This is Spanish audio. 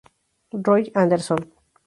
Roy Anderson.